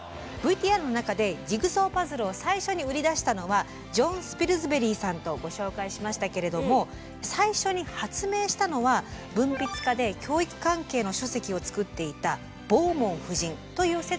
ＶＴＲの中でジグソーパズルを最初に売り出したのはジョン・スピルズベリーさんとご紹介しましたけれども最初に発明したのはあんたちょっとかかりすぎたんじゃないの？